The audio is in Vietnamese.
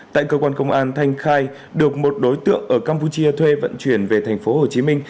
tại cơ quan công an thanh khai được một đối tượng ở campuchia thuê vận chuyển về tp hcm